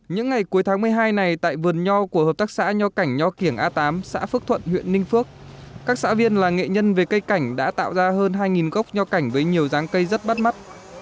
những ngày cuối tháng một mươi hai này tại vườn nho của hợp tác xã nho cảnh nho kiểng a tám xã phước thuận huyện ninh phước các xã viên là nghệ nhân về cây cảnh đã tạo ra hơn hai gốc nho cảnh với nhiều ráng cây rất bắt mắt